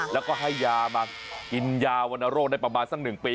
แล้วก็ให้ยามากินยาวรรณโรคได้ประมาณสัก๑ปี